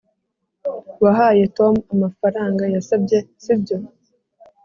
wahaye tom amafaranga yasabye, sibyo?